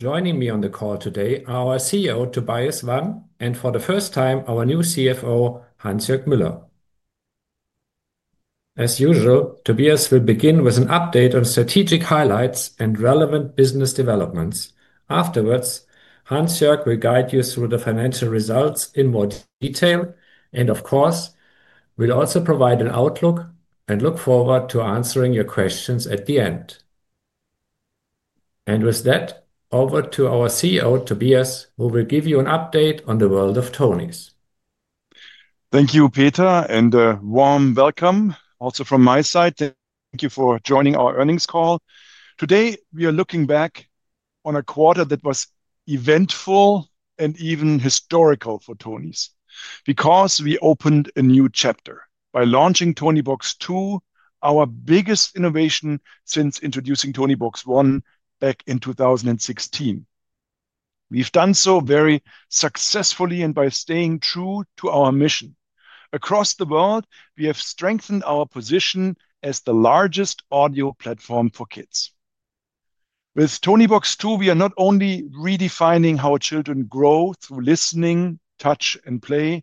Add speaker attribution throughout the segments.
Speaker 1: Joining me on the call today are our CEO, Tobias Wann, and for the first time, our new CFO, Hansjörg Müller. As usual, Tobias will begin with an update on strategic highlights and relevant business developments. Afterwards, Hansjörg will guide you through the financial results in more detail, and of course, we will also provide an outlook and look forward to answering your questions at the end. With that, over to our CEO, Tobias, who will give you an update on the world of tonies.
Speaker 2: Thank you, Peter, and a warm welcome also from my side. Thank you for joining our earnings call. Today, we are looking back on a quarter that was eventful and even historical for tonies because we opened a new chapter by launching Toniebox 2, our biggest innovation since introducing Toniebox 1 back in 2016. We've done so very successfully and by staying true to our mission. Across the world, we have strengthened our position as the largest audio platform for kids. With Toniebox 2, we are not only redefining how children grow through listening, touch, and play,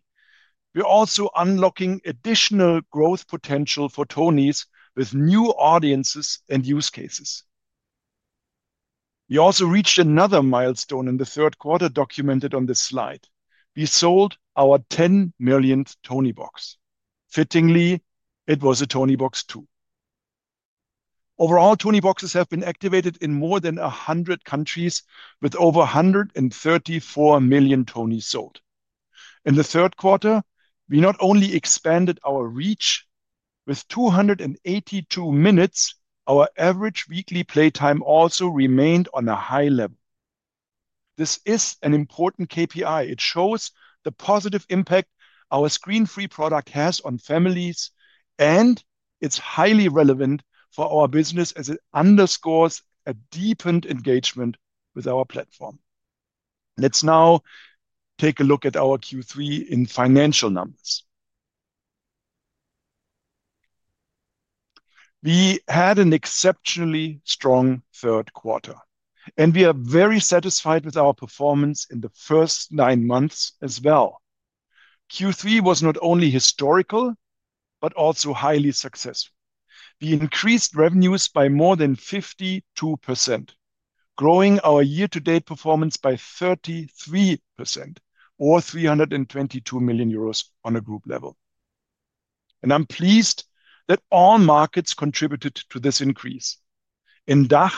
Speaker 2: we're also unlocking additional growth potential for tonies with new audiences and use cases. We also reached another milestone in the third quarter documented on this slide. We sold our 10 millionth Toniebox. Fittingly, it was a Toniebox 2. Overall, Tonieboxes have been activated in more than 100 countries with over 134 million Tonies sold. In the third quarter, we not only expanded our reach with 282 minutes; our average weekly playtime also remained on a high level. This is an important KPI. It shows the positive impact our screen-free product has on families, and it's highly relevant for our business as it underscores a deepened engagement with our platform. Let's now take a look at our Q3 in financial numbers. We had an exceptionally strong third quarter, and we are very satisfied with our performance in the first nine months as well. Q3 was not only historical but also highly successful. We increased revenues by more than 52%, growing our year-to-date performance by 33%, or 322 million euros on a group level. I'm pleased that all markets contributed to this increase. In DACH,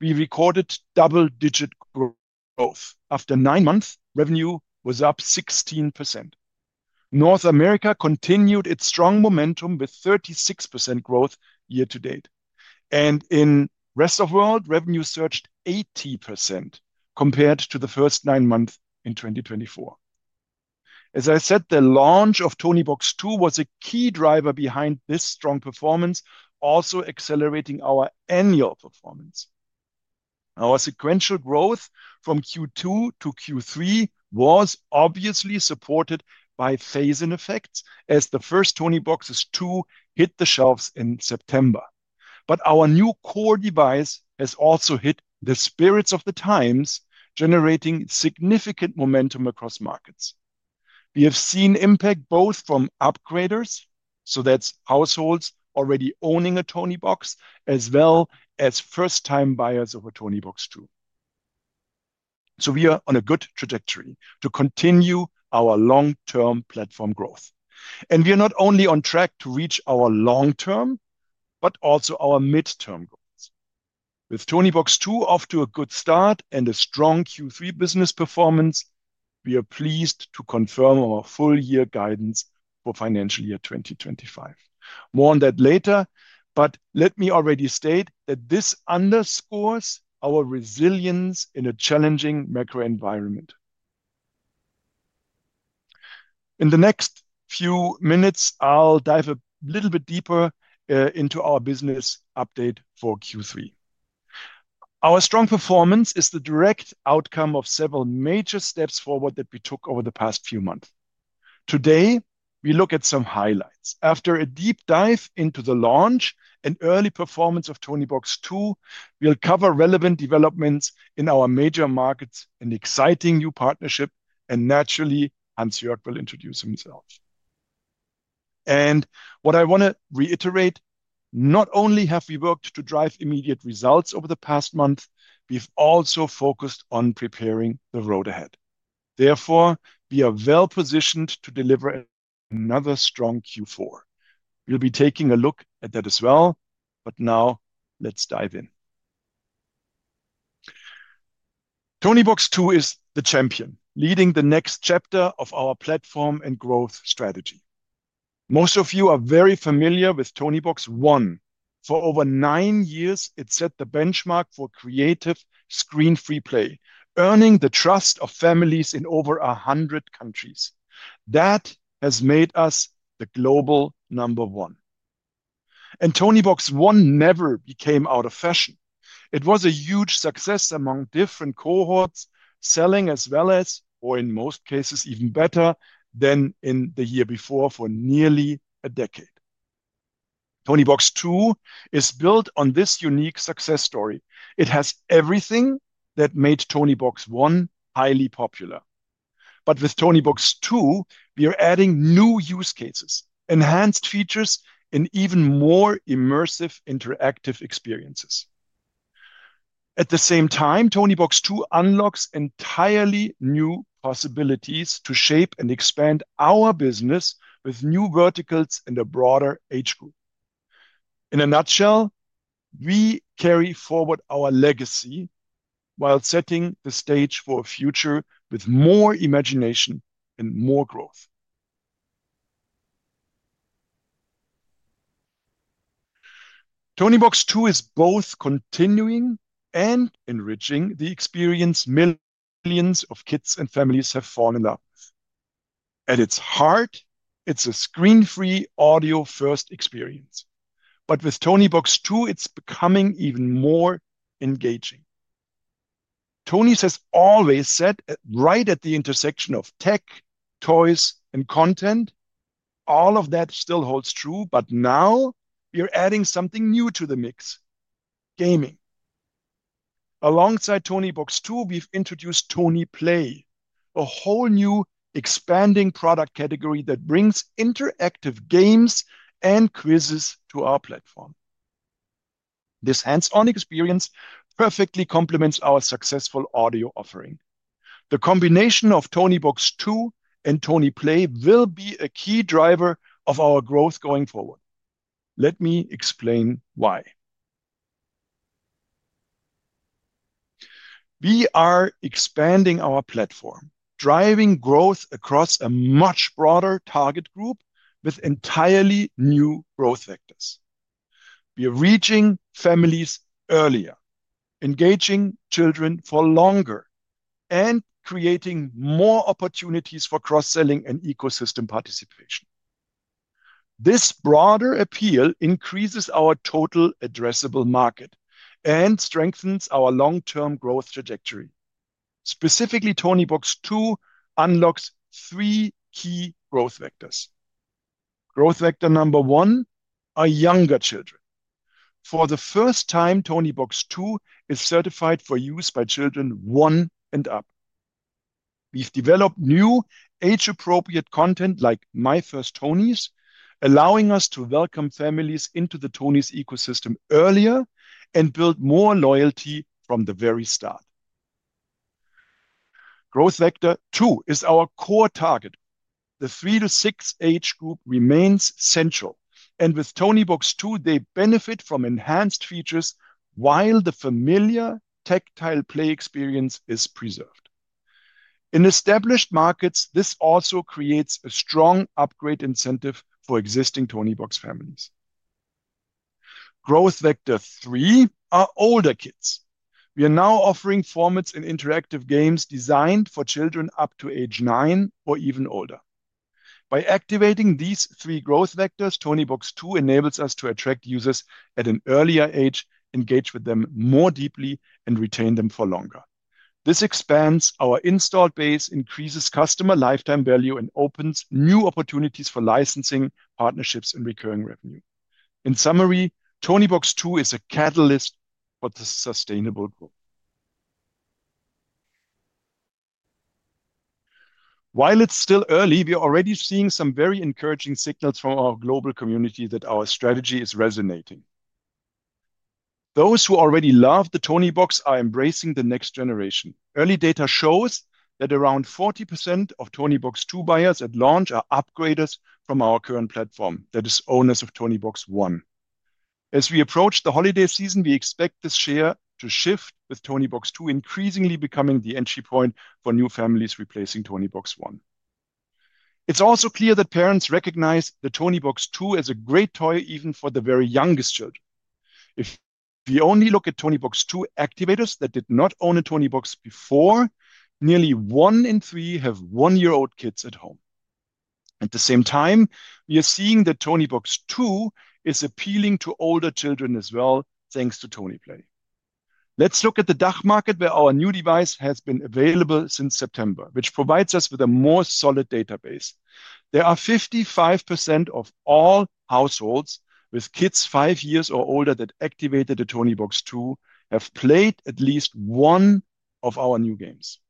Speaker 2: we recorded double-digit growth. After nine months, revenue was up 16%. North America continued its strong momentum with 36% growth year-to-date, and in the rest of the world, revenue surged 80% compared to the first nine months in 2024. As I said, the launch of Toniebox 2 was a key driver behind this strong performance, also accelerating our annual performance. Our sequential growth from Q2 to Q3 was obviously supported by phase-in effects as the first Toniebox 2 units hit the shelves in September. Our new core device has also hit the spirit of the times, generating significant momentum across markets. We have seen impact both from upgraders, so that's households already owning a Toniebox, as well as first-time buyers of a Toniebox 2. We are on a good trajectory to continue our long-term platform growth. We are not only on track to reach our long-term but also our midterm goals. With Toniebox 2 off to a good start and a strong Q3 business performance, we are pleased to confirm our full-year guidance for financial year 2025. More on that later, but let me already state that this underscores our resilience in a challenging macro environment. In the next few minutes, I'll dive a little bit deeper into our business update for Q3. Our strong performance is the direct outcome of several major steps forward that we took over the past few months. Today, we look at some highlights. After a deep dive into the launch and early performance of Toniebox 2, we'll cover relevant developments in our major markets and exciting new partnership, and naturally, Hansjörg will introduce himself. What I want to reiterate, not only have we worked to drive immediate results over the past month, we have also focused on preparing the road ahead. Therefore, we are well-positioned to deliver another strong Q4. We will be taking a look at that as well, but now let's dive in. Toniebox 2 is the champion, leading the next chapter of our platform and growth strategy. Most of you are very familiar with Toniebox 1. For over nine years, it set the benchmark for creative screen-free play, earning the trust of families in over 100 countries. That has made us the global number one. Toniebox 1 never became out of fashion. It was a huge success among different cohorts, selling as well as, or in most cases, even better than in the year before for nearly a decade. Toniebox 2 is built on this unique success story. It has everything that made Toniebox 1 highly popular. With Toniebox 2, we are adding new use cases, enhanced features, and even more immersive interactive experiences. At the same time, Toniebox 2 unlocks entirely new possibilities to shape and expand our business with new verticals and a broader age group. In a nutshell, we carry forward our legacy while setting the stage for a future with more imagination and more growth. Toniebox 2 is both continuing and enriching the experience millions of kids and families have fallen in love with. At its heart, it's a screen-free, audio-first experience. With Toniebox 2, it's becoming even more engaging. tonies has always sat right at the intersection of tech, toys, and content. All of that still holds true, but now we are adding something new to the mix: gaming. Alongside Toniebox 2, we've introduced Tonieplay, a whole new expanding product category that brings interactive games and quizzes to our platform. This hands-on experience perfectly complements our successful audio offering. The combination of Toniebox 2 and Tonieplay will be a key driver of our growth going forward. Let me explain why. We are expanding our platform, driving growth across a much broader target group with entirely new growth vectors. We are reaching families earlier, engaging children for longer, and creating more opportunities for cross-selling and ecosystem participation. This broader appeal increases our total addressable market and strengthens our long-term growth trajectory. Specifically, Toniebox 2 unlocks three key growth vectors. Growth vector number one: our younger children. For the first time, Toniebox 2 is certified for use by children one and up. We've developed new age-appropriate content like My First Tonies, allowing us to welcome families into the tonies ecosystem earlier and build more loyalty from the very start. Growth vector two is our core target. The three to six age group remains central, and with Toniebox 2, they benefit from enhanced features while the familiar tactile play experience is preserved. In established markets, this also creates a strong upgrade incentive for existing Toniebox families. Growth vector three: our older kids. We are now offering formats and interactive games designed for children up to age nine or even older. By activating these three growth vectors, Toniebox 2 enables us to attract users at an earlier age, engage with them more deeply, and retain them for longer. This expands our install base, increases customer lifetime value, and opens new opportunities for licensing, partnerships, and recurring revenue. In summary, Toniebox 2 is a catalyst for the sustainable growth. While it's still early, we are already seeing some very encouraging signals from our global community that our strategy is resonating. Those who already love the Toniebox are embracing the next generation. Early data shows that around 40% of Toniebox 2 buyers at launch are upgraders from our current platform, that is, owners of Toniebox 1. As we approach the holiday season, we expect this share to shift with Toniebox 2 increasingly becoming the entry point for new families replacing Toniebox 1. It's also clear that parents recognize the Toniebox 2 as a great toy even for the very youngest children. If we only look at Toniebox 2 activators that did not own a Toniebox before, nearly one in three have one-year-old kids at home. At the same time, we are seeing that Toniebox 2 is appealing to older children as well thanks to Tonieplay. Let's look at the DACH market where our new device has been available since September, which provides us with a more solid database. There are 55% of all households with kids five years or older that activated the Toniebox 2 have played at least one of our new games.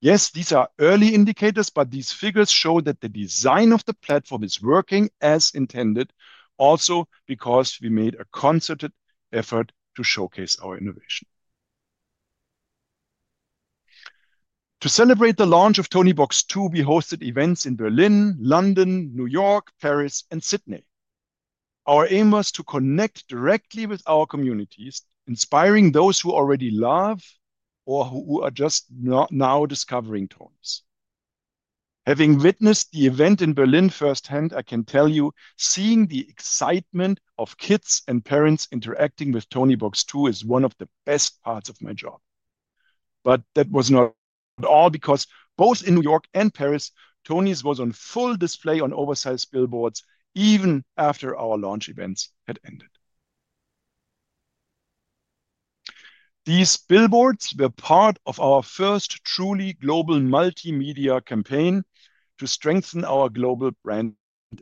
Speaker 2: Yes, these are early indicators, but these figures show that the design of the platform is working as intended, also because we made a concerted effort to showcase our innovation. To celebrate the launch of Toniebox 2, we hosted events in Berlin, London, New York, Paris, and Sydney. Our aim was to connect directly with our communities, inspiring those who already love or who are just now discovering tonies. Having witnessed the event in Berlin firsthand, I can tell you seeing the excitement of kids and parents interacting with Toniebox 2 is one of the best parts of my job. That was not all, because both in New York and Paris, tonies was on full display on oversized billboards even after our launch events had ended. These billboards were part of our first truly global multimedia campaign to strengthen our global brand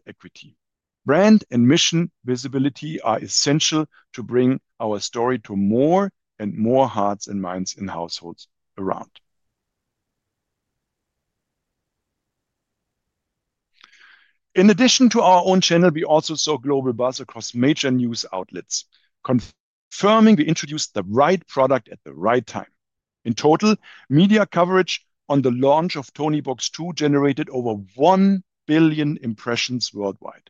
Speaker 2: equity. Brand and mission visibility are essential to bring our story to more and more hearts and minds in households around. In addition to our own channel, we also saw global buzz across major news outlets, confirming we introduced the right product at the right time. In total, media coverage on the launch of Toniebox 2 generated over 1 billion impressions worldwide.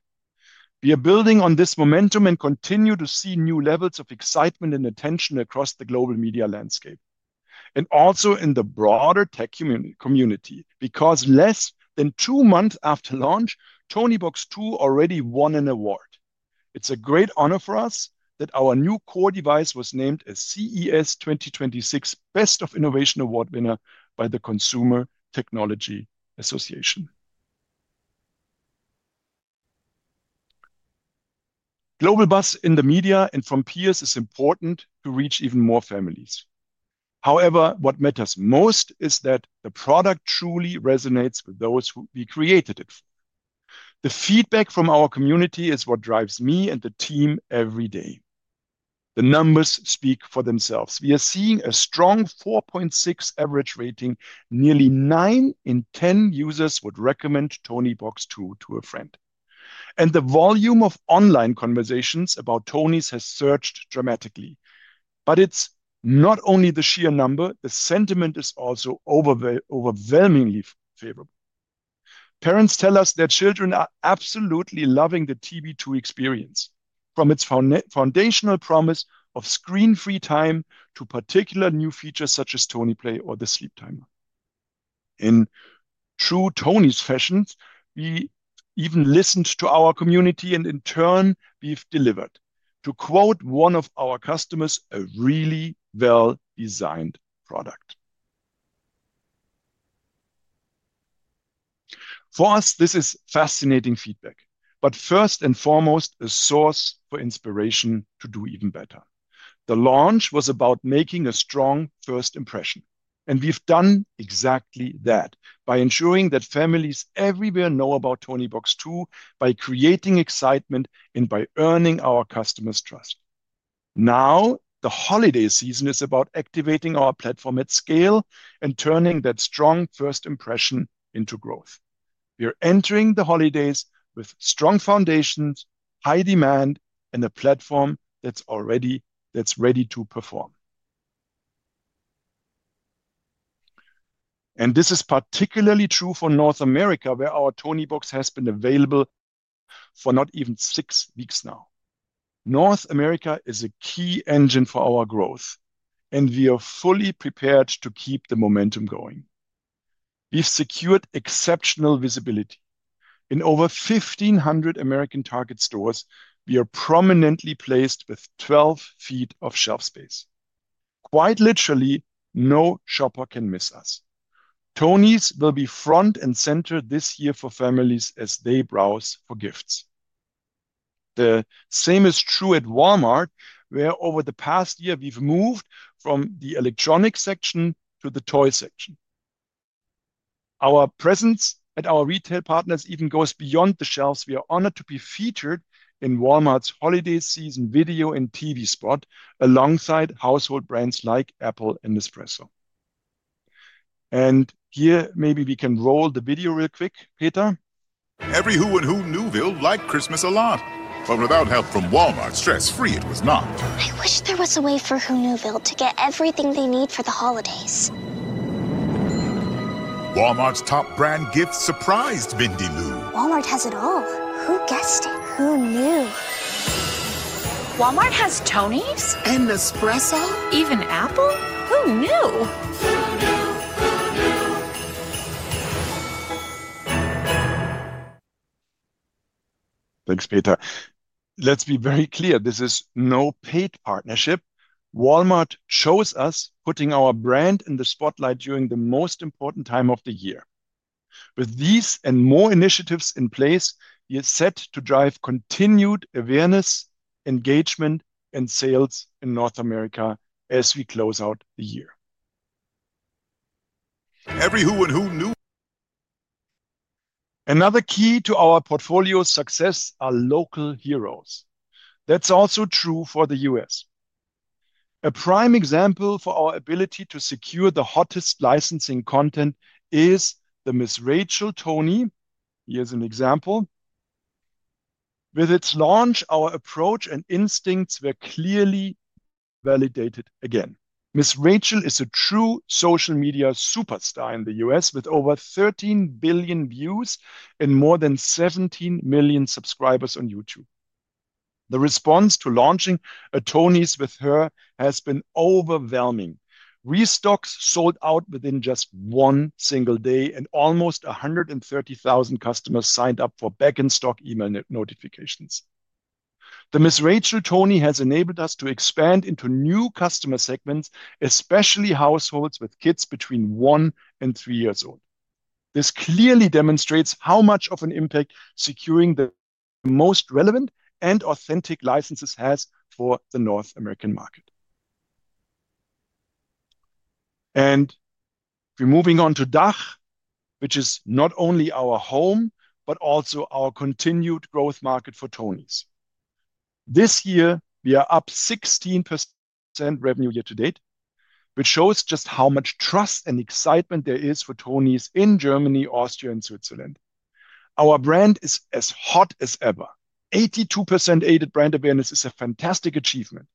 Speaker 2: We are building on this momentum and continue to see new levels of excitement and attention across the global media landscape, and also in the broader tech community, because less than two months after launch, Toniebox 2 already won an award. It's a great honor for us that our new core device was named a CES 2026 Best of Innovation Award winner by the Consumer Technology Association. Global buzz in the media and from peers is important to reach even more families. However, what matters most is that the product truly resonates with those who we created it for. The feedback from our community is what drives me and the team every day. The numbers speak for themselves. We are seeing a strong 4.6 average rating. Nearly nine in ten users would recommend Toniebox 2 to a friend. The volume of online conversations about tonies has surged dramatically. It is not only the sheer number; the sentiment is also overwhelmingly favorable. Parents tell us their children are absolutely loving the TB2 experience, from its foundational promise of screen-free time to particular new features such as Tonieplay or the Sleep Timer. In true tonies fashion, we even listened to our community, and in turn, we have delivered, to quote one of our customers, a really well-designed product. For us, this is fascinating feedback, but first and foremost, a source for inspiration to do even better. The launch was about making a strong first impression, and we have done exactly that by ensuring that families everywhere know about Toniebox 2, by creating excitement, and by earning our customers' trust. Now, the holiday season is about activating our platform at scale and turning that strong first impression into growth. We are entering the holidays with strong foundations, high demand, and a platform that's already ready to perform. This is particularly true for North America, where our Toniebox has been available for not even six weeks now. North America is a key engine for our growth, and we are fully prepared to keep the momentum going. We've secured exceptional visibility. In over 1,500 American Target stores, we are prominently placed with 12 feet of shelf space. Quite literally, no shopper can miss us. tonies will be front and center this year for families as they browse for gifts. The same is true at Walmart, where over the past year, we've moved from the electronics section to the toy section. Our presence at our retail partners even goes beyond the shelves. We are honored to be featured in Walmart's holiday season video and TV spot alongside household brands like Apple and Nespresso. Here, maybe we can roll the video real quick, Peter. Every Who and Who in Newville liked Christmas a lot, but without help from Walmart, stress-free it was not. I wish there was a way for Who Newville to get everything they need for the holidays. Walmart's top brand gift surprised Mindy Lou. Walmart has it all. Who guessed it? Who knew? Walmart has tonies? And Nespresso? Even Apple? Who knew? Who knew? Who knew? Thanks, Peter. Let's be very clear. This is no paid partnership. Walmart shows us putting our brand in the spotlight during the most important time of the year. With these and more initiatives in place, we are set to drive continued awareness, engagement, and sales in North America as we close out the year. Every Who and Who knew? Another key to our portfolio's success are local heroes. That's also true for the US. A prime example for our ability to secure the hottest licensing content is the Ms. Rachel Tonie. Here's an example. With its launch, our approach and instincts were clearly validated again. Ms. Rachel is a true social media superstar in the US with over 13 billion views and more than 17 million subscribers on YouTube. The response to launching a tonies with her has been overwhelming. Restocks sold out within just one single day, and almost 130,000 customers signed up for back-in-stock email notifications. The Ms. Rachel Tonie has enabled us to expand into new customer segments, especially households with kids between one and three years old. This clearly demonstrates how much of an impact securing the most relevant and authentic licenses has for the North American market. We are moving on to DACH, which is not only our home, but also our continued growth market for tonies. This year, we are up 16% revenue year to date, which shows just how much trust and excitement there is for tonies in Germany, Austria, and Switzerland. Our brand is as hot as ever. 82% aided brand awareness is a fantastic achievement.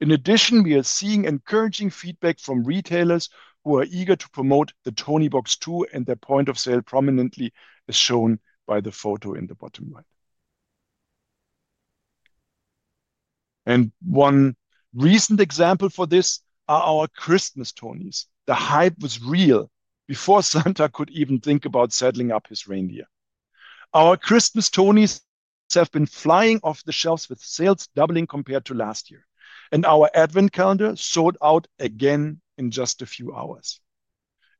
Speaker 2: In addition, we are seeing encouraging feedback from retailers who are eager to promote the Toniebox 2, and their point of sale prominently is shown by the photo in the bottom right. One recent example for this are our Christmas Tonies. The hype was real before Santa could even think about settling up his reindeer. Our Christmas Tonies have been flying off the shelves with sales doubling compared to last year, and our Advent Calendar sold out again in just a few hours.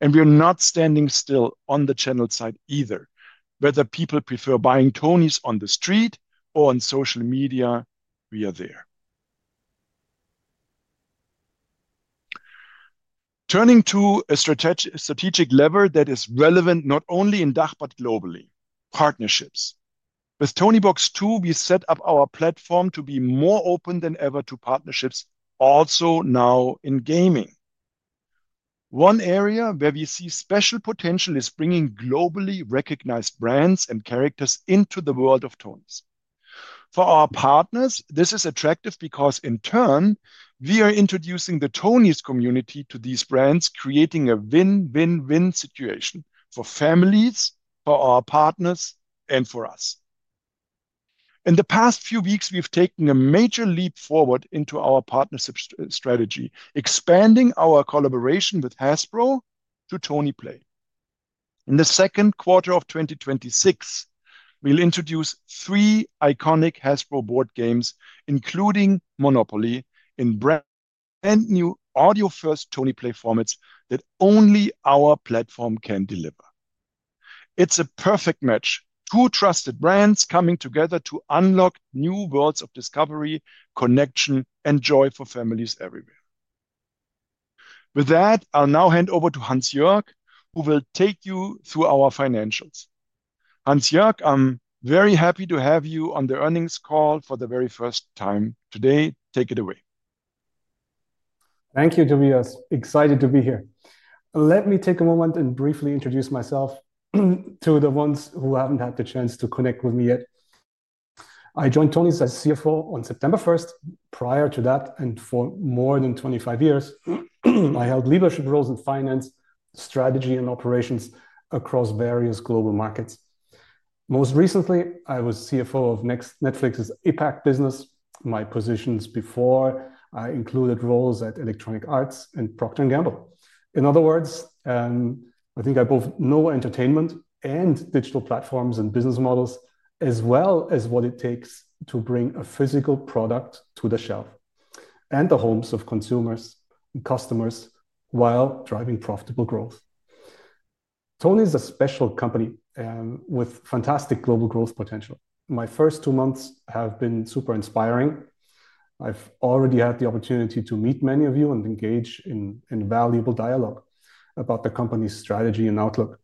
Speaker 2: We are not standing still on the channel side either. Whether people prefer buying Tonies on the street or on social media, we are there. Turning to a strategic lever that is relevant not only in DACH, but globally: partnerships. With Toniebox 2, we set up our platform to be more open than ever to partnerships, also now in gaming. One area where we see special potential is bringing globally recognized brands and characters into the world of Tonies. For our partners, this is attractive because, in turn, we are introducing the Tonies community to these brands, creating a win-win-win situation for families, for our partners, and for us. In the past few weeks, we've taken a major leap forward into our partnership strategy, expanding our collaboration with Hasbro to Tonieplay. In the second quarter of 2026, we'll introduce three iconic Hasbro board games, including Monopoly, in brand-new, audio-first Tonieplay formats that only our platform can deliver. It's a perfect match: two trusted brands coming together to unlock new worlds of discovery, connection, and joy for families everywhere. With that, I'll now hand over to Hansjörg, who will take you through our financials. Hansjörg, I'm very happy to have you on the earnings call for the very first time today. Take it away.
Speaker 3: Thank you, Tobias. Excited to be here. Let me take a moment and briefly introduce myself to the ones who haven't had the chance to connect with me yet. I joined tonies as CFO on September 1st. Prior to that, and for more than 25 years, I held leadership roles in finance, strategy, and operations across various global markets. Most recently, I was CFO of Netflix's APAC business. My positions before included roles at Electronic Arts and Procter & Gamble. In other words, I think I both know entertainment and digital platforms and business models, as well as what it takes to bring a physical product to the shelf and the homes of consumers and customers while driving profitable growth. tonies is a special company with fantastic global growth potential. My first two months have been super inspiring. I've already had the opportunity to meet many of you and engage in valuable dialogue about the company's strategy and outlook.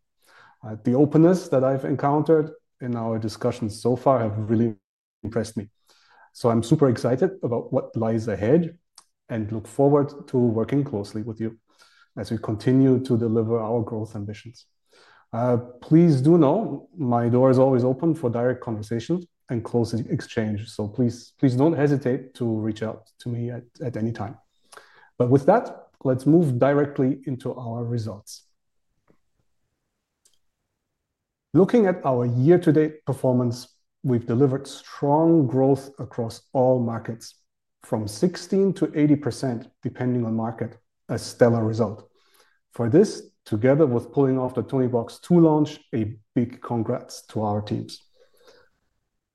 Speaker 3: The openness that I've encountered in our discussions so far has really impressed me. I am super excited about what lies ahead and look forward to working closely with you as we continue to deliver our growth ambitions. Please do know my door is always open for direct conversations and closing exchanges. Please do not hesitate to reach out to me at any time. With that, let's move directly into our results. Looking at our year-to-date performance, we've delivered strong growth across all markets, from 16% to 80%, depending on market, a stellar result. For this, together with pulling off the Toniebox 2 launch, a big congrats to our teams.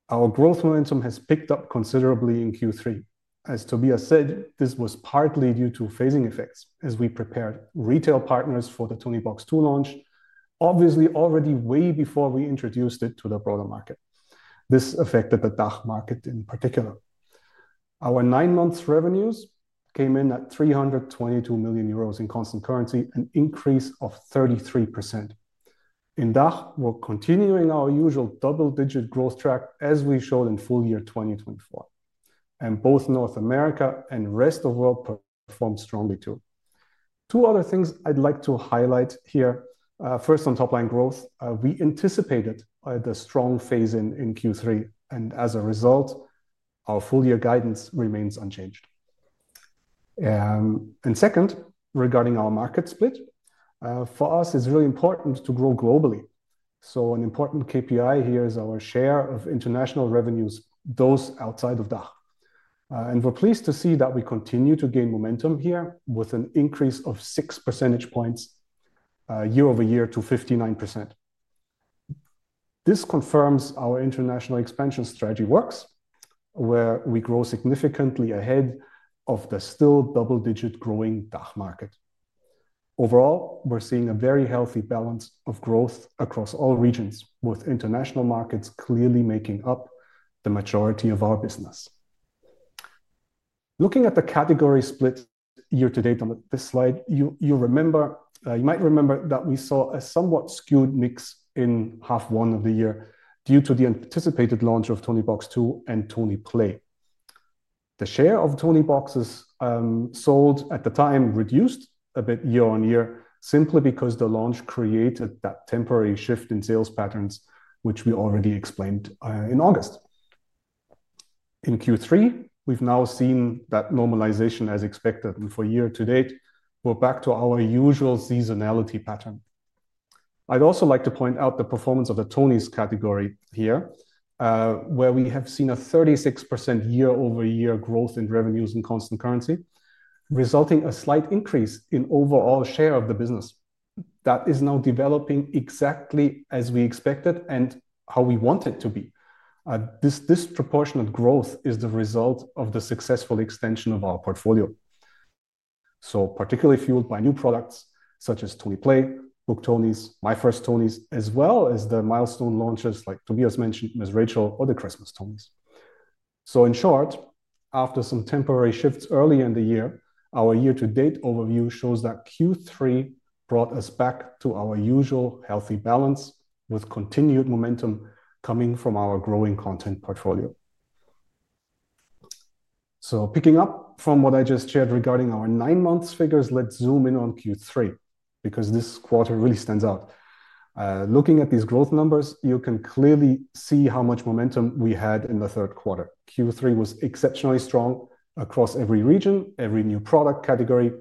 Speaker 3: Our growth momentum has picked up considerably in Q3. As Tobias said, this was partly due to phasing effects as we prepared retail partners for the Toniebox 2 launch, obviously already way before we introduced it to the broader market. This affected the DACH market in particular. Our nine-month revenues came in at 322 million euros in constant currency, an increase of 33%. In DACH, we're continuing our usual double-digit growth track, as we showed in full year 2024. Both North America and the rest of the world performed strongly too. Two other things I'd like to highlight here. First, on top-line growth, we anticipated the strong phase-in in Q3, and as a result, our full-year guidance remains unchanged. Second, regarding our market split, for us, it's really important to grow globally. An important KPI here is our share of international revenues, those outside of DACH. We are pleased to see that we continue to gain momentum here with an increase of six percentage points year-over-year to 59%. This confirms our international expansion strategy works, where we grow significantly ahead of the still double-digit growing DACH market. Overall, we are seeing a very healthy balance of growth across all regions, with international markets clearly making up the majority of our business. Looking at the category split year-to-date on this slide, you might remember that we saw a somewhat skewed mix in half one of the year due to the anticipated launch of Toniebox 2 and Tonieplay. The share of Tonieboxes sold at the time reduced a bit year on year, simply because the launch created that temporary shift in sales patterns, which we already explained in August. In Q3, we've now seen that normalization as expected, and for year-to-date, we're back to our usual seasonality pattern. I'd also like to point out the performance of the Tonies category here, where we have seen a 36% year-over-year growth in revenues in constant currency, resulting in a slight increase in overall share of the business. That is now developing exactly as we expected and how we want it to be. This disproportionate growth is the result of the successful extension of our portfolio, so particularly fueled by new products such as Tonieplay, Book Tonies, My First Tonies, as well as the milestone launches like Tobias mentioned, Ms. Rachel, or the Christmas Tonies. In short, after some temporary shifts early in the year, our year-to-date overview shows that Q3 brought us back to our usual healthy balance, with continued momentum coming from our growing content portfolio. Picking up from what I just shared regarding our nine-month figures, let's zoom in on Q3, because this quarter really stands out. Looking at these growth numbers, you can clearly see how much momentum we had in the third quarter. Q3 was exceptionally strong across every region. Every new product category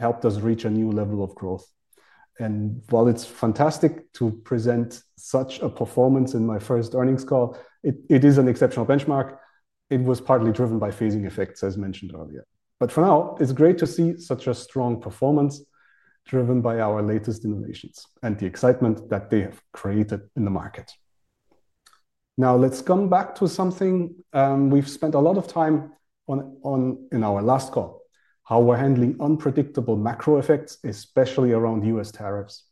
Speaker 3: helped us reach a new level of growth. While it's fantastic to present such a performance in my first earnings call, it is an exceptional benchmark. It was partly driven by phasing effects, as mentioned earlier. For now, it's great to see such a strong performance driven by our latest innovations and the excitement that they have created in the market. Now, let's come back to something we've spent a lot of time on in our last call: how we're handling unpredictable macro effects, especially around U.S. tariffs.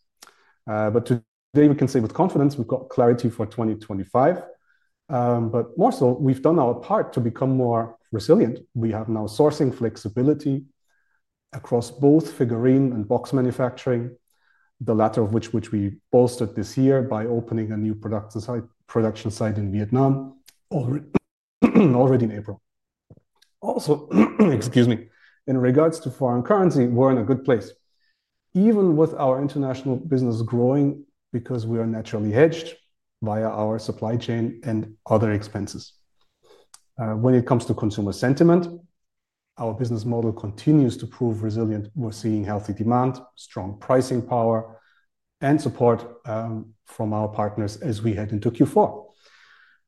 Speaker 3: Today, we can say with confidence we've got clarity for 2025. More so, we've done our part to become more resilient. We have now sourcing flexibility across both figurine and box manufacturing, the latter of which we bolstered this year by opening a new production site in Vietnam already in April. Also, excuse me, in regards to foreign currency, we're in a good place, even with our international business growing because we are naturally hedged via our supply chain and other expenses. When it comes to consumer sentiment, our business model continues to prove resilient. We're seeing healthy demand, strong pricing power, and support from our partners as we head into Q4.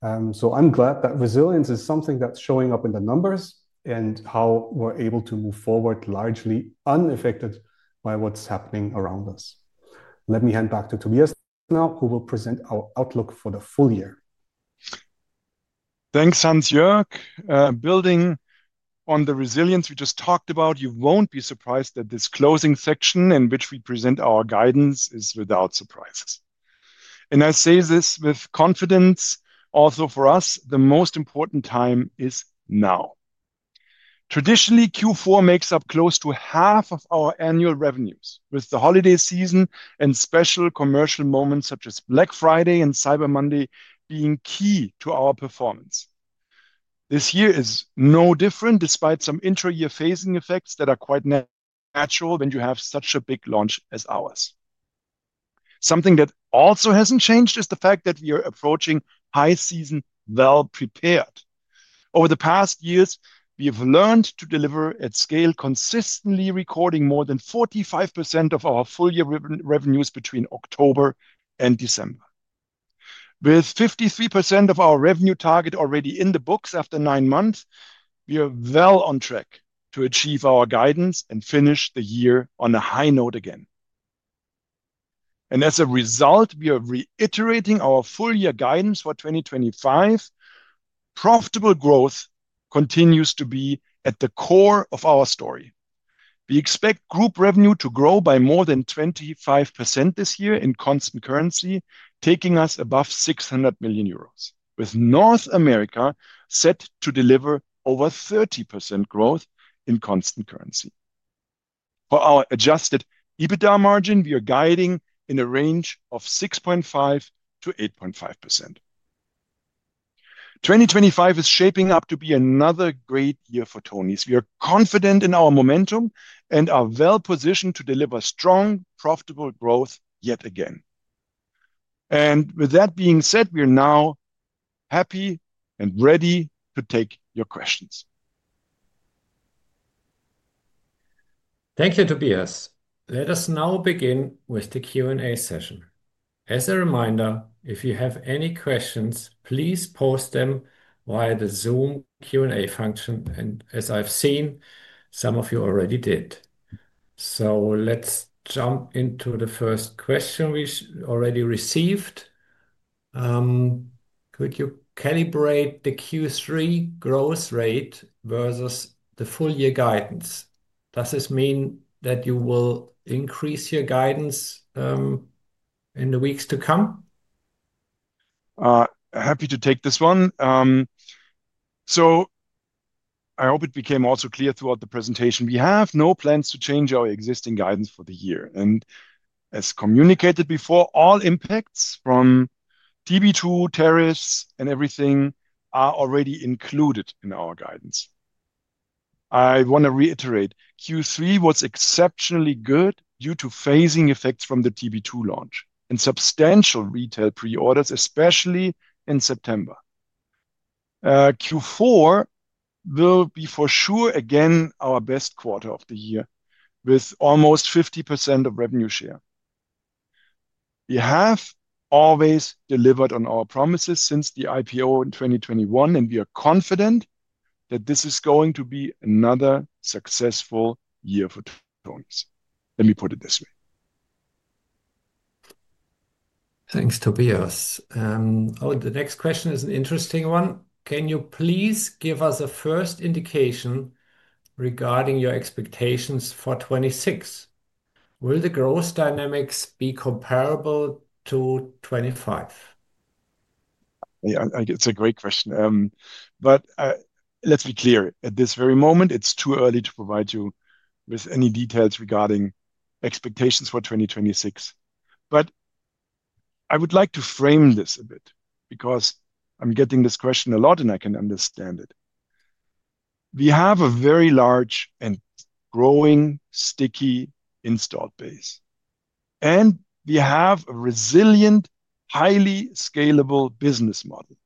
Speaker 3: I'm glad that resilience is something that's showing up in the numbers and how we're able to move forward largely unaffected by what's happening around us. Let me hand back to Tobias now, who will present our outlook for the full year.
Speaker 2: Thanks, Hansjörg. Building on the resilience we just talked about, you will not be surprised that this closing section in which we present our guidance is without surprises. I say this with confidence. Also, for us, the most important time is now. Traditionally, Q4 makes up close to half of our annual revenues, with the holiday season and special commercial moments such as Black Friday and Cyber Monday being key to our performance. This year is no different, despite some intra-year phasing effects that are quite natural when you have such a big launch as ours. Something that also has not changed is the fact that we are approaching high season well-prepared. Over the past years, we have learned to deliver at scale, consistently recording more than 45% of our full-year revenues between October and December. With 53% of our revenue target already in the books after nine months, we are well on track to achieve our guidance and finish the year on a high note again. As a result, we are reiterating our full-year guidance for 2025. Profitable growth continues to be at the core of our story. We expect group revenue to grow by more than 25% this year in constant currency, taking us above 600 million euros, with North America set to deliver over 30% growth in constant currency. For our adjusted EBITDA margin, we are guiding in a range of 6.5%-8.5%. 2025 is shaping up to be another great year for tonies. We are confident in our momentum and are well-positioned to deliver strong, profitable growth yet again. With that being said, we are now happy and ready to take your questions.
Speaker 1: Thank you, Tobias. Let us now begin with the Q&A session. As a reminder, if you have any questions, please post them via the Zoom Q&A function, and as I have seen, some of you already did. Let's jump into the first question we already received. Could you calibrate the Q3 growth rate versus the full-year guidance? Does this mean that you will increase your guidance in the weeks to come?
Speaker 2: Happy to take this one. I hope it became also clear throughout the presentation. We have no plans to change our existing guidance for the year. As communicated before, all impacts from TB2 tariffs and everything are already included in our guidance. I want to reiterate, Q3 was exceptionally good due to phasing effects from the TB2 launch and substantial retail pre-orders, especially in September. Q4 will be for sure again our best quarter of the year, with almost 50% of revenue share. We have always delivered on our promises since the IPO in 2021, and we are confident that this is going to be another successful year for tonies. Let me put it this way.
Speaker 1: Thanks, Tobias. Oh, the next question is an interesting one. Can you please give us a first indication regarding your expectations for 2026? Will the growth dynamics be comparable to 2025?
Speaker 2: Yeah, it's a great question. At this very moment, it's too early to provide you with any details regarding expectations for 2026. I would like to frame this a bit because I'm getting this question a lot, and I can understand it. We have a very large and growing, sticky installed base, and we have a resilient, highly scalable business model.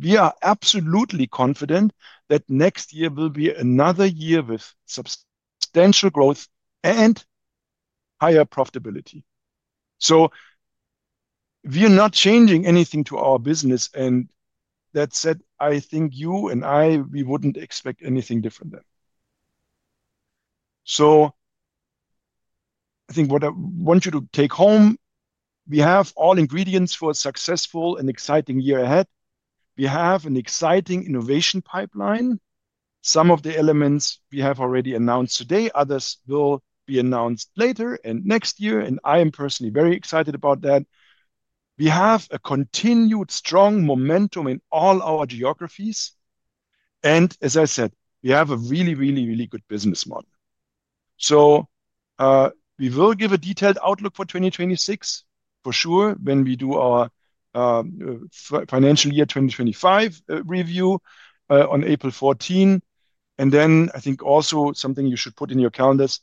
Speaker 2: We are absolutely confident that next year will be another year with substantial growth and higher profitability. We are not changing anything to our business. That said, I think you and I, we wouldn't expect anything different then. I think what I want you to take home, we have all ingredients for a successful and exciting year ahead. We have an exciting innovation pipeline. Some of the elements we have already announced today, others will be announced later and next year, and I am personally very excited about that. We have a continued strong momentum in all our geographies. As I said, we have a really, really, really good business model. We will give a detailed outlook for 2026 for sure when we do our financial year 2025 review on April 14. I think also something you should put in your calendars,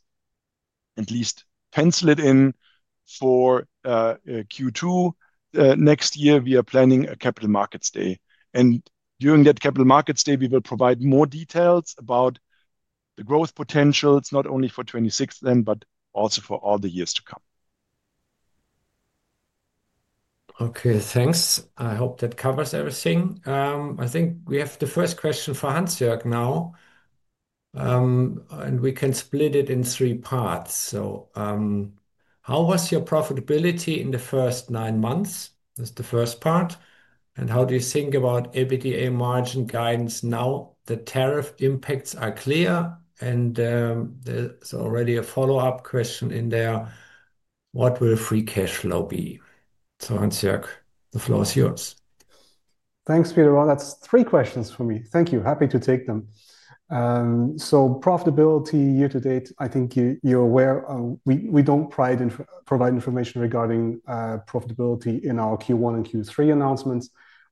Speaker 2: at least pencil it in for Q2. Next year, we are planning a Capital Markets Day. During that Capital Markets Day, we will provide more details about the growth potentials, not only for 2026 then, but also for all the years to come.
Speaker 1: Okay, thanks. I hope that covers everything. I think we have the first question for Hansjörg now, and we can split it in three parts. How was your profitability in the first nine months? That's the first part. How do you think about EBITDA margin guidance now? The tariff impacts are clear, and there's already a follow-up question in there. What will free cash flow be? So Hansjörg, the floor is yours.
Speaker 3: Thanks, Peter. That's three questions for me. Thank you. Happy to take them. So profitability year-to-date, I think you're aware. We don't provide information regarding profitability in our Q1 and Q3 announcements,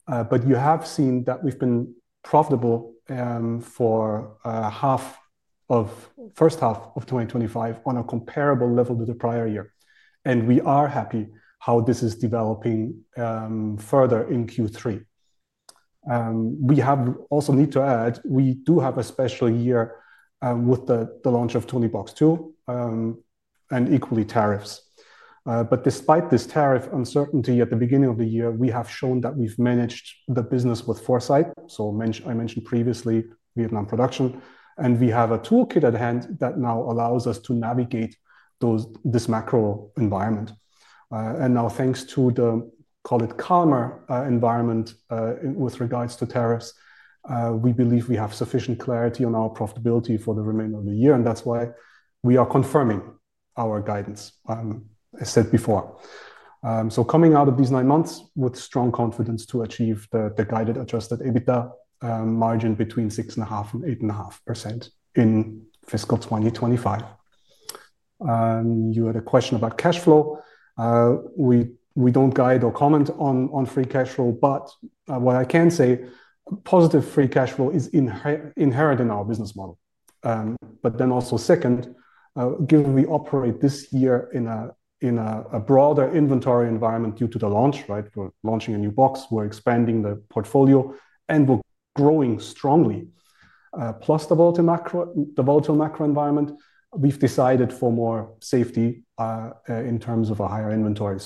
Speaker 3: but you have seen that we've been profitable for the first half of 2025 on a comparable level to the prior year. We are happy how this is developing further in Q3. We also need to add, we do have a special year with the launch of Toniebox 2 and equally tariffs. Despite this tariff uncertainty at the beginning of the year, we have shown that we've managed the business with foresight. I mentioned previously Vietnam production, and we have a toolkit at hand that now allows us to navigate this macro environment. Now, thanks to the, call it calmer environment with regards to tariffs, we believe we have sufficient clarity on our profitability for the remainder of the year. That is why we are confirming our guidance, as I said before. Coming out of these nine months with strong confidence to achieve the guided adjusted EBITDA margin between 6.5% and 8.5% in fiscal 2025. You had a question about cash flow. We do not guide or comment on free cash flow, but what I can say, positive free cash flow is inherent in our business model. Also, given we operate this year in a broader inventory environment due to the launch, right? We are launching a new box. We are expanding the portfolio and we are growing strongly. Plus the volatile macro environment, we've decided for more safety in terms of a higher inventory.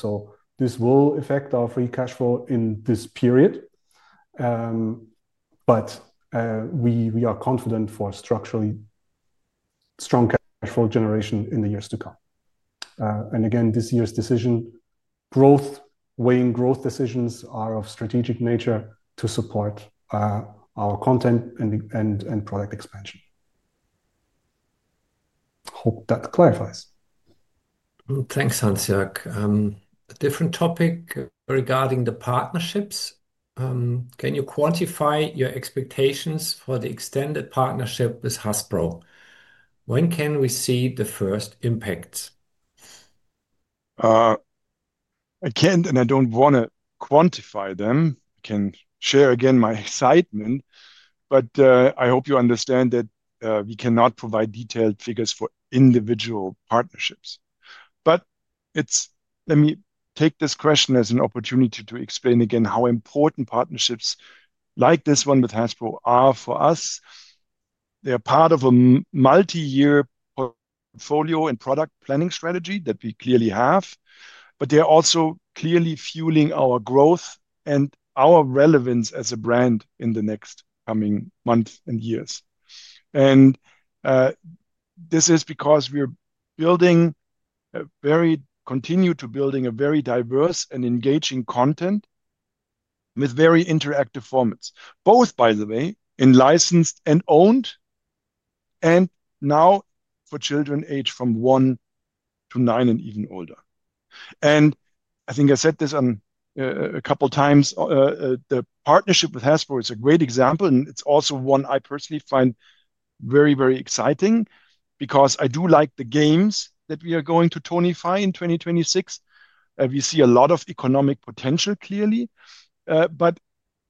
Speaker 3: This will affect our free cash flow in this period. We are confident for structurally strong cash flow generation in the years to come. This year's decision, weighing growth decisions, are of strategic nature to support our content and product expansion. Hope that clarifies.
Speaker 1: Thanks, Hansjörg. A different topic regarding the partnerships. Can you quantify your expectations for the extended partnership with Hasbro? When can we see the first impacts?
Speaker 2: I can, and I don't want to quantify them. I can share again my excitement, but I hope you understand that we cannot provide detailed figures for individual partnerships. Let me take this question as an opportunity to explain again how important partnerships like this one with Hasbro are for us. They are part of a multi-year portfolio and product planning strategy that we clearly have, but they are also clearly fueling our growth and our relevance as a brand in the next coming months and years. This is because we're building a very continued to building a very diverse and engaging content with very interactive formats, both, by the way, in licensed and owned and now for children aged from one to nine and even older. I think I said this a couple of times. The partnership with Hasbro is a great example, and it's also one I personally find very, very exciting because I do like the games that we are going to Tonie-fy in 2026. We see a lot of economic potential clearly.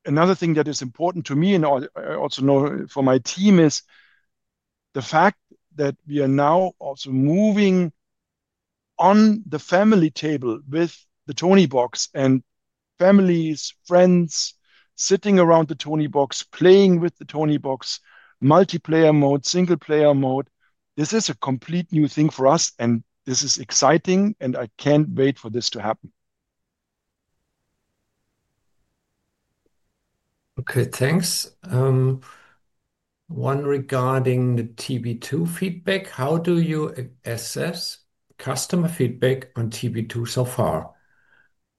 Speaker 2: Another thing that is important to me, and I also know for my team, is the fact that we are now also moving on the family table with the Toniebox and families, friends sitting around the Toniebox, playing with the Toniebox, multiplayer mode, single-player mode. This is a complete new thing for us, and this is exciting, and I can't wait for this to happen.
Speaker 1: Okay, thanks. One regarding the TB2 feedback. How do you assess customer feedback on TB2 so far?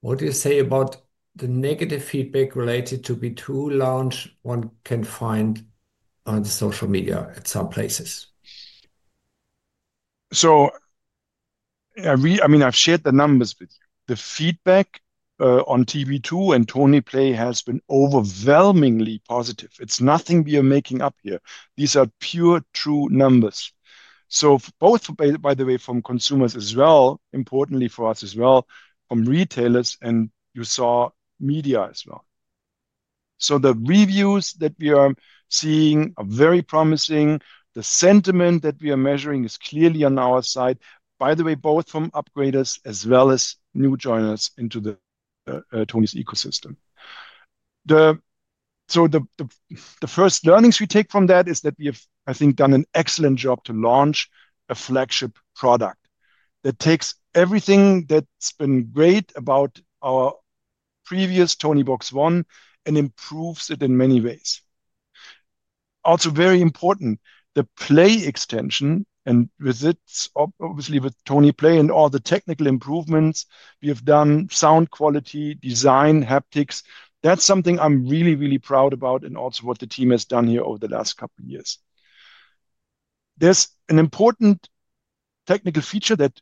Speaker 1: What do you say about the negative feedback related to TB2 launch one can find on social media at some places?
Speaker 2: I mean, I've shared the numbers with you. The feedback on TB2 and Tonieplay has been overwhelmingly positive. It's nothing we are making up here. These are pure true numbers. Both, by the way, from consumers as well, importantly for us as well, from retailers, and you saw media as well. The reviews that we are seeing are very promising. The sentiment that we are measuring is clearly on our side, by the way, both from upgraders as well as new joiners into tonies ecosystem. The first learnings we take from that is that we have, I think, done an excellent job to launch a flagship product that takes everything that's been great about our previous Toniebox 1 and improves it in many ways. Also very important, the Play extension, and with it, obviously with Tonieplay and all the technical improvements we have done, sound quality, design, haptics, that's something I'm really, really proud about and also what the team has done here over the last couple of years. There's an important technical feature that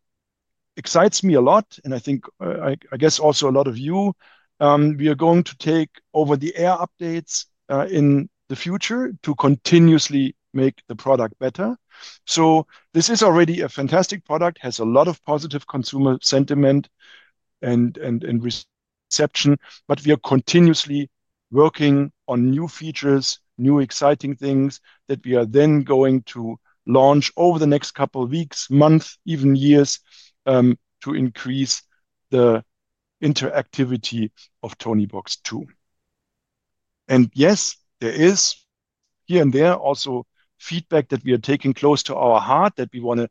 Speaker 2: excites me a lot, and I think, I guess also a lot of you. We are going to take over-the-air updates in the future to continuously make the product better. This is already a fantastic product, has a lot of positive consumer sentiment and reception, but we are continuously working on new features, new exciting things that we are then going to launch over the next couple of weeks, months, even years to increase the interactivity of Toniebox 2. Yes, there is here and there also feedback that we are taking close to our heart that we want to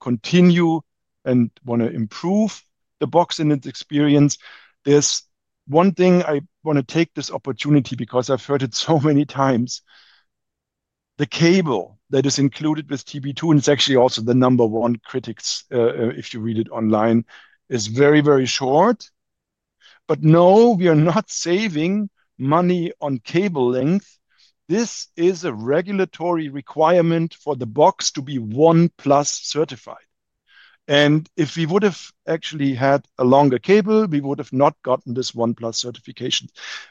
Speaker 2: continue and want to improve the box and its experience. There's one thing I want to take this opportunity because I've heard it so many times. The cable that is included with TB2, and it's actually also the number one critics if you read it online, is very, very short. No, we are not saving money on cable length. This is a regulatory requirement for the box to be 1+ certified. If we would have actually had a longer cable, we would have not gotten this 1+ certification.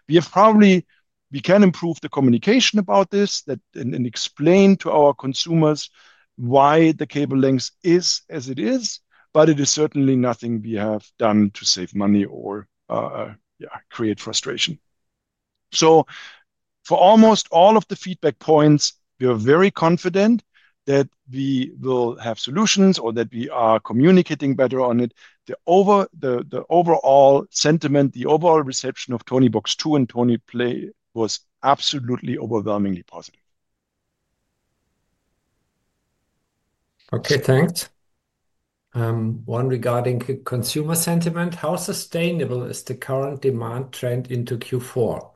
Speaker 2: We can improve the communication about this and explain to our consumers why the cable length is as it is, but it is certainly nothing we have done to save money or create frustration. For almost all of the feedback points, we are very confident that we will have solutions or that we are communicating better on it. The overall sentiment, the overall reception of Toniebox 2 and Tonieplay was absolutely overwhelmingly positive.
Speaker 1: Okay, thanks. One regarding consumer sentiment. How sustainable is the current demand trend into Q4?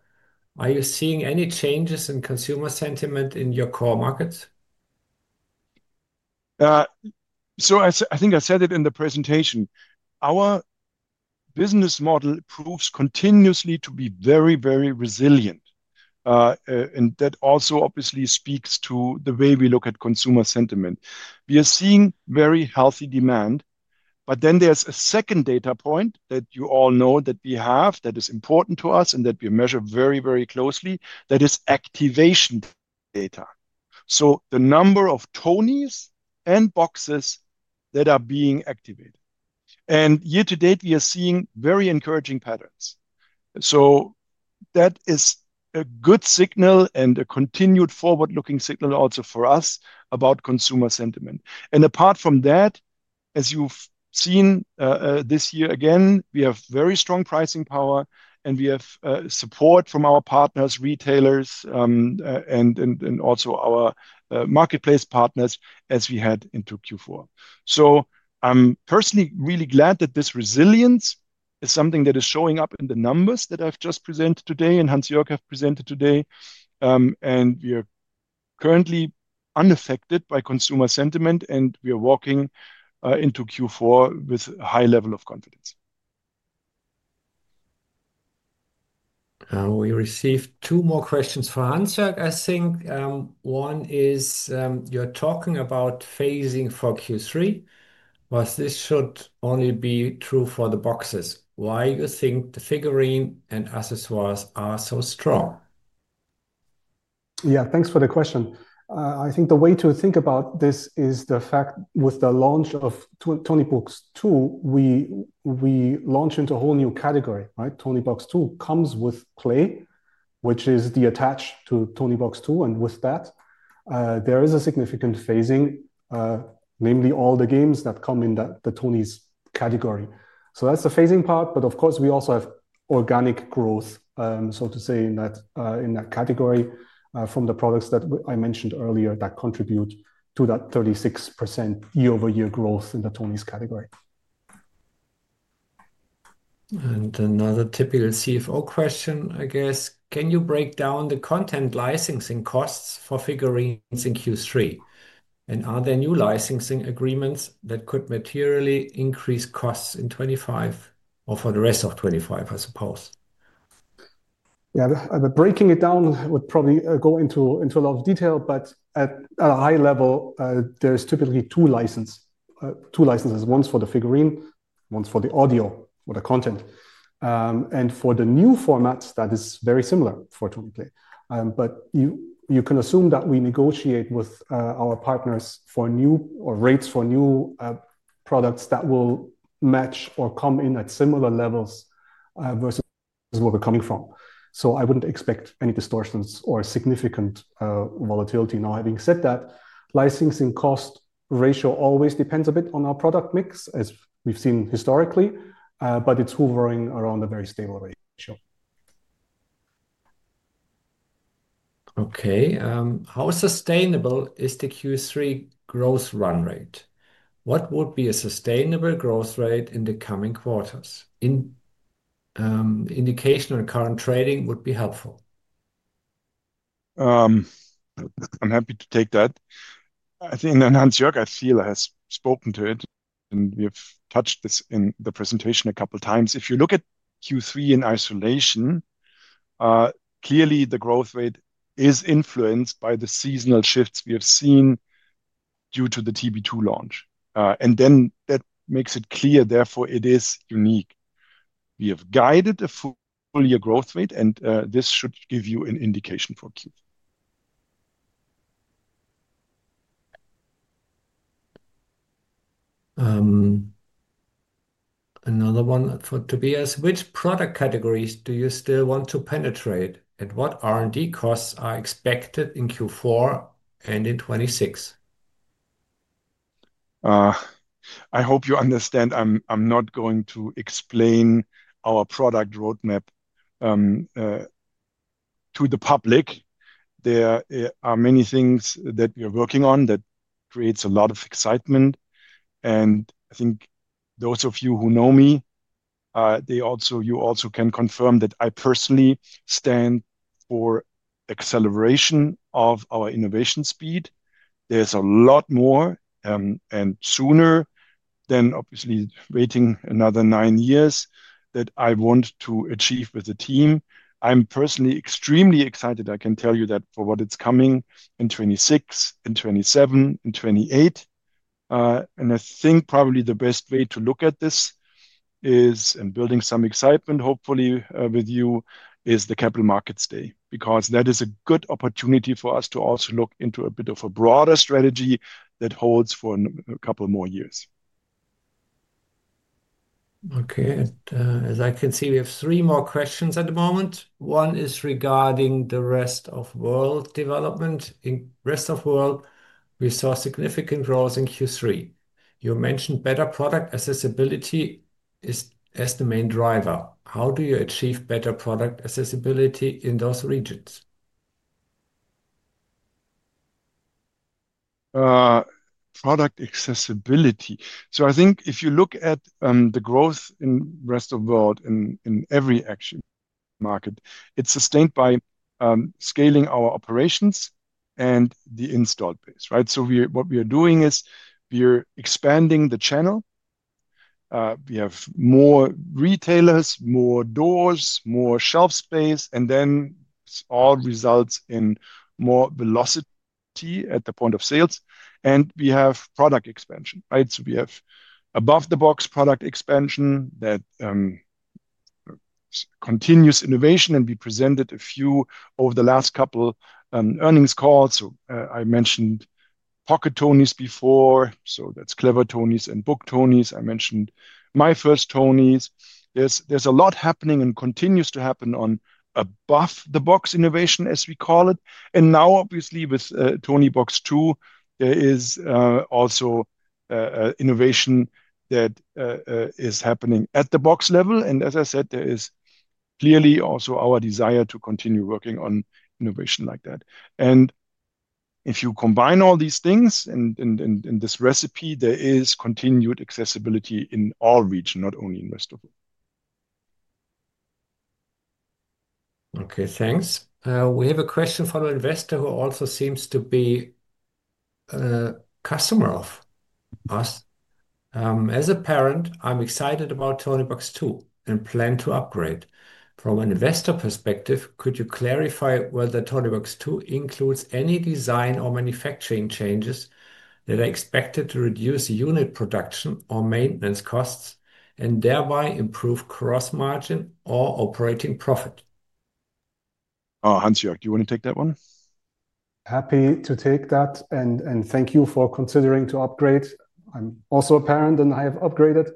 Speaker 1: Are you seeing any changes in consumer sentiment in your core markets?
Speaker 2: I think I said it in the presentation. Our business model proves continuously to be very, very resilient. That also obviously speaks to the way we look at consumer sentiment. We are seeing very healthy demand. There is a second data point that you all know that we have that is important to us and that we measure very, very closely, that is activation data. The number of Tonies and boxes that are being activated. Year-to-date, we are seeing very encouraging patterns. That is a good signal and a continued forward-looking signal also for us about consumer sentiment. Apart from that, as you have seen this year again, we have very strong pricing power and we have support from our partners, retailers, and also our marketplace partners as we head into Q4. I am personally really glad that this resilience is something that is showing up in the numbers that I have just presented today and Hansjörg have presented today. We are currently unaffected by consumer sentiment and we are walking into Q4 with a high level of confidence.
Speaker 1: We received two more questions for Hansjörg, I think. One is you are talking about phasing for Q3, but this should only be true for the boxes. Why do you think the figurine and accessories are so strong?
Speaker 3: Yeah, thanks for the question. I think the way to think about this is the fact with the launch of Toniebox 2, we launch into a whole new category, right? Toniebox 2 comes with Play, which is attached to Toniebox 2. With that, there is a significant phasing, namely all the games that come in the Tonies category. That is the phasing part. Of course, we also have organic growth, so to say, in that category from the products that I mentioned earlier that contribute to that 36% year-over-year growth in the Tonies category.
Speaker 1: Another typical CFO question, I guess. Can you break down the content licensing costs for figurines in Q3? Are there new licensing agreements that could materially increase costs in 2025 or for the rest of 2025, I suppose?
Speaker 3: Breaking it down would probably go into a lot of detail, but at a high level, there are typically two licenses. Two licenses, one is for the figurine, one is for the audio or the content. For the new formats, that is very similar for Tonieplay. You can assume that we negotiate with our partners for new or rates for new products that will match or come in at similar levels versus where we're coming from. I would not expect any distortions or significant volatility. Now, having said that, licensing cost ratio always depends a bit on our product mix, as we've seen historically, but it is hovering around a very stable ratio.
Speaker 1: Okay. How sustainable is the Q3 growth run rate? What would be a sustainable growth rate in the coming quarters? Indication on current trading would be helpful.
Speaker 2: I'm happy to take that. I think that Hansjörg, I feel, has spoken to it, and we've touched this in the presentation a couple of times. If you look at Q3 in isolation, clearly the growth rate is influenced by the seasonal shifts we have seen due to the Toniebox 2 launch. That makes it clear, therefore it is unique. We have guided a full year growth rate, and this should give you an indication for Q3.
Speaker 1: Another one for Tobias. Which product categories do you still want to penetrate? And what R&D costs are expected in Q4 and in 2026?
Speaker 2: I hope you understand I'm not going to explain our product roadmap to the public. There are many things that we are working on that creates a lot of excitement. I think those of you who know me, you also can confirm that I personally stand for acceleration of our innovation speed. There's a lot more and sooner than obviously waiting another nine years that I want to achieve with the team. I'm personally extremely excited. I can tell you that for what is coming in 2026, in 2027, in 2028. I think probably the best way to look at this is, and building some excitement, hopefully with you, is the capital markets day because that is a good opportunity for us to also look into a bit of a broader strategy that holds for a couple more years.
Speaker 1: Okay. As I can see, we have three more questions at the moment. One is regarding the rest of world development. In rest of world, we saw significant growth in Q3. You mentioned better product accessibility as the main driver. How do you achieve better product accessibility in those regions?
Speaker 2: Product accessibility. I think if you look at the growth in rest of world in every action market, it is sustained by scaling our operations and the install base, right? What we are doing is we are expanding the channel. We have more retailers, more doors, more shelf space, and then it all results in more velocity at the point of sales. We have product expansion, right? We have above-the-box product expansion that continues innovation. We presented a few over the last couple of earnings calls. I mentioned Pocket Tonies before. That is Clever Tonies and Book Tonies. I mentioned My First Tonies. There is a lot happening and continues to happen on above-the-box innovation, as we call it. Now, obviously, with Toniebox 2, there is also innovation that is happening at the box level. As I said, there is clearly also our desire to continue working on innovation like that. If you combine all these things and this recipe, there is continued accessibility in all regions, not only in Rest of World.
Speaker 1: Okay, thanks. We have a question from an investor who also seems to be a customer of us. As a parent, I'm excited about Toniebox 2 and plan to upgrade. From an investor perspective, could you clarify whether Toniebox 2 includes any design or manufacturing changes that are expected to reduce unit production or maintenance costs and thereby improve gross margin or operating profit?
Speaker 2: Hansjörg, do you want to take that one?
Speaker 3: Happy to take that. And thank you for considering to upgrade. I'm also a parent and I have upgraded.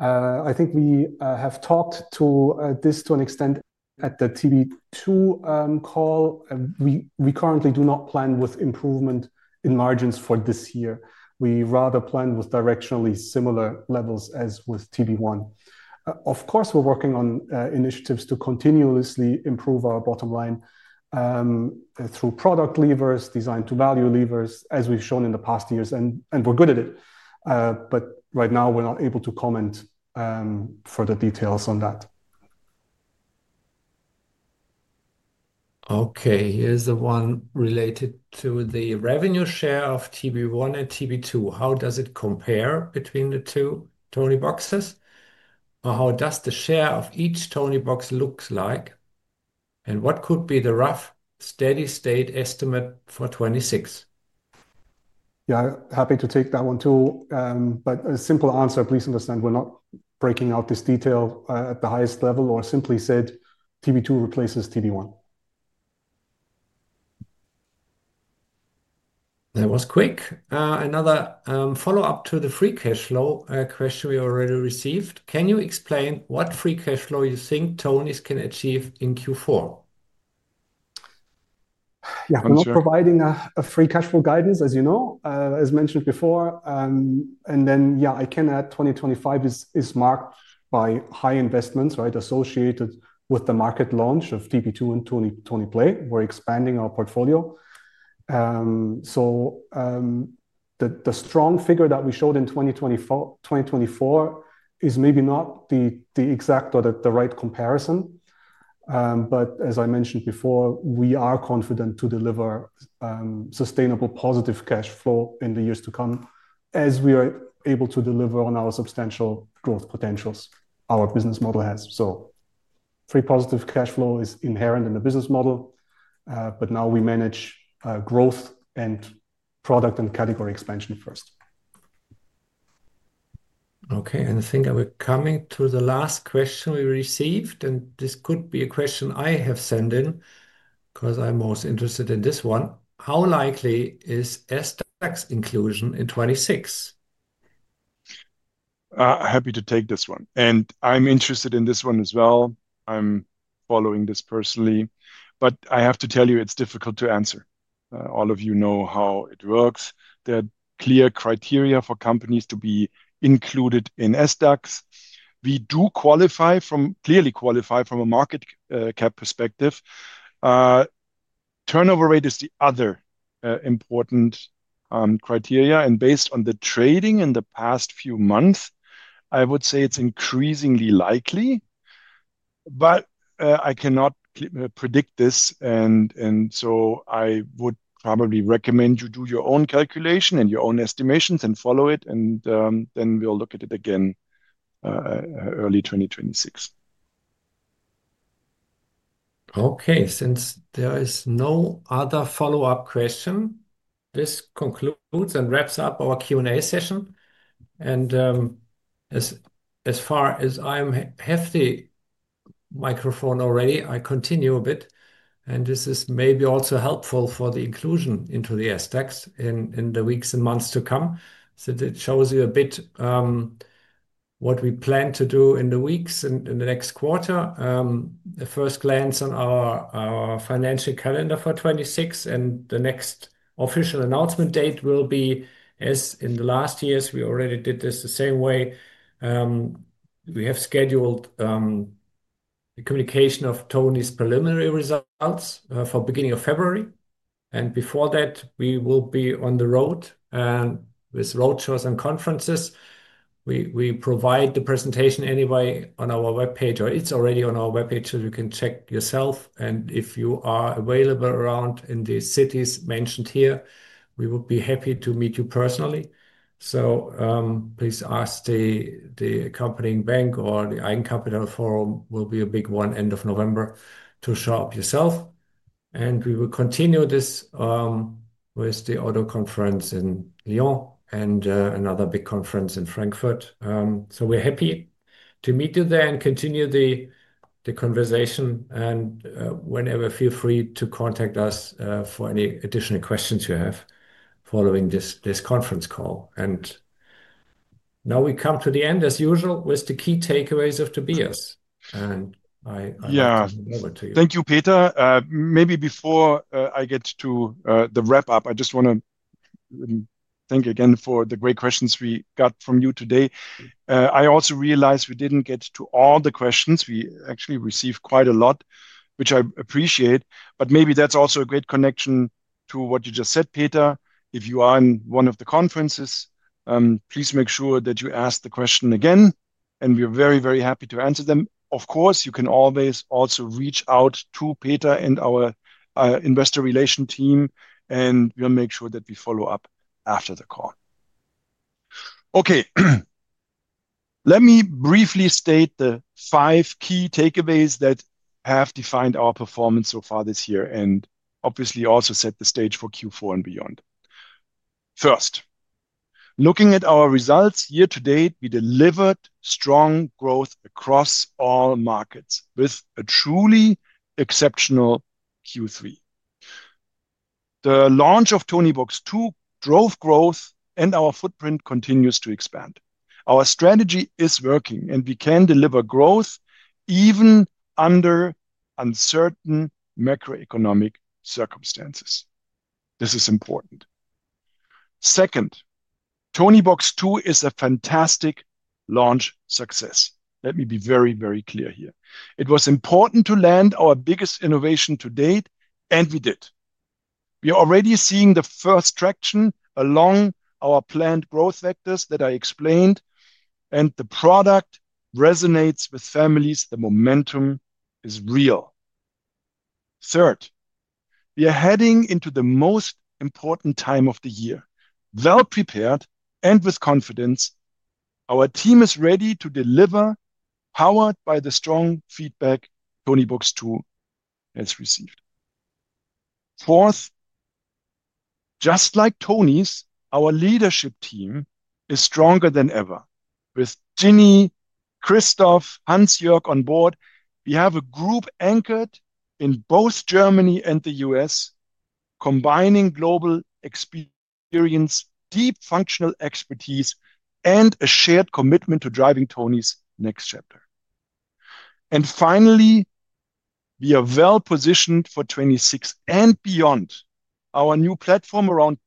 Speaker 3: I think we have talked to this to an extent at the TB2 call. We currently do not plan with improvement in margins for this year. We rather plan with directionally similar levels as with TB1. Of course, we're working on initiatives to continuously improve our bottom line through product levers, design-to-value levers, as we've shown in the past years, and we're good at it. Right now, we're not able to comment further details on that.
Speaker 1: Okay. Here's the one related to the revenue share of TB1 and TB2. How does it compare between the two Tonieboxes? How does the share of each Toniebox look like? What could be the rough steady-state estimate for 2026?
Speaker 3: Yeah, happy to take that one too. A simple answer, please understand we're not breaking out this detail at the highest level or simply said TB2 replaces TB1.
Speaker 1: That was quick. Another follow-up to the free cash flow question we already received. Can you explain what free cash flow you think Tonies can achieve in Q4?
Speaker 3: Yeah, I'm not providing a free cash flow guidance, as you know, as mentioned before. I can add 2025 is marked by high investments, right, associated with the market launch of TB2 and Tonieplay. We're expanding our portfolio. The strong figure that we showed in 2024 is maybe not the exact or the right comparison. As I mentioned before, we are confident to deliver sustainable positive cash flow in the years to come as we are able to deliver on our substantial growth potentials our business model has. Free positive cash flow is inherent in the business model. Now we manage growth and product and category expansion first.
Speaker 1: Okay. I think that we're coming to the last question we received. This could be a question I have sent in because I'm most interested in this one. How likely is STAX inclusion in 2026?
Speaker 2: Happy to take this one. I'm interested in this one as well. I'm following this personally. I have to tell you, it's difficult to answer. All of you know how it works. There are clear criteria for companies to be included in STAX. We do clearly qualify from a market cap perspective. Turnover rate is the other important criteria. Based on the trading in the past few months, I would say it's increasingly likely. I cannot predict this. I would probably recommend you do your own calculation and your own estimations and follow it. We will look at it again early 2026.
Speaker 1: Okay. Since there is no other follow-up question, this concludes and wraps up our Q&A session. As far as I have the microphone already, I continue a bit. This is maybe also helpful for the inclusion into the STAX in the weeks and months to come. It shows you a bit what we plan to do in the weeks and in the next quarter. The first glance on our financial calendar for 2026 and the next official announcement date will be, as in the last years, we already did this the same way. We have scheduled the communication of tonies preliminary results for the beginning of February. Before that, we will be on the road with roadshows and conferences. We provide the presentation anyway on our webpage, or it is already on our webpage so you can check yourself. If you are available around in the cities mentioned here, we would be happy to meet you personally. Please ask the accompanying bank or the Eigenkapitalforum will be a big one end of November to show up yourself. We will continue this with the auto conference in Lyon and another big conference in Frankfurt. We are happy to meet you there and continue the conversation. Whenever, feel free to contact us for any additional questions you have following this conference call. Now we come to the end, as usual, with the key takeaways of Tobias. I hand it over to you.
Speaker 2: Yeah, thank you, Peter. Maybe before I get to the wrap-up, I just want to thank you again for the great questions we got from you today. I also realize we did not get to all the questions. We actually received quite a lot, which I appreciate. Maybe that is also a great connection to what you just said, Peter. If you are in one of the conferences, please make sure that you ask the question again. We are very, very happy to answer them. Of course, you can always also reach out to Peter and our investor relation team. We will make sure that we follow up after the call. Okay. Let me briefly state the five key takeaways that have defined our performance so far this year and obviously also set the stage for Q4 and beyond. First, looking at our results year to date, we delivered strong growth across all markets with a truly exceptional Q3. The launch of Toniebox 2 drove growth, and our footprint continues to expand. Our strategy is working, and we can deliver growth even under uncertain macroeconomic circumstances. This is important. Second, Toniebox 2 is a fantastic launch success. Let me be very, very clear here. It was important to land our biggest innovation to date, and we did. We are already seeing the first traction along our planned growth vectors that I explained, and the product resonates with families. The momentum is real. Third, we are heading into the most important time of the year. Prepared and with confidence, our team is ready to deliver, powered by the strong feedback Toniebox 2 has received. Fourth, just like tonies, our leadership team is stronger than ever. With Jimmy, Christoph, Hansjörg on board, we have a group anchored in both Germany and the U.S., combining global experience, deep functional expertise, and a shared commitment to driving tonies' next chapter. Finally, we are well positioned for 2026 and beyond. Our new platform around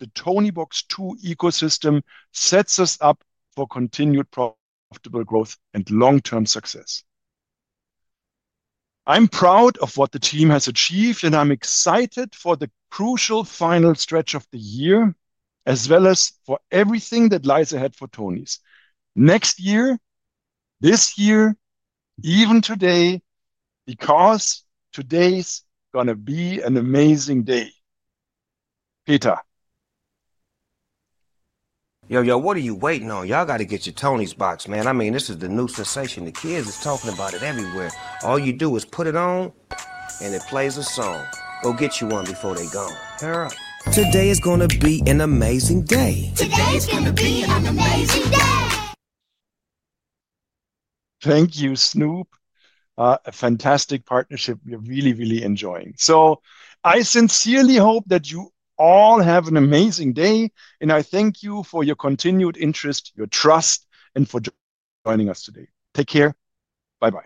Speaker 2: the Toniebox 2 ecosystem sets us up for continued profitable growth and long-term success. I'm proud of what the team has achieved, and I'm excited for the crucial final stretch of the year, as well as for everything that lies ahead for tonies next year, this year, even today, because today's going to be an amazing day. Peter. Yo, yo, what are you waiting on? Y'all got to get your Toniebox, man. I mean, this is the new sensation. The kids are talking about it everywhere. All you do is put it on, and it plays a song. Go get you one before they're gone. Today is going to be an amazing day. Today is going to be an amazing day. Thank you, Snoop. A fantastic partnership we are really, really enjoying. I sincerely hope that you all have an amazing day. I thank you for your continued interest, your trust, and for joining us today. Take care. Bye-bye.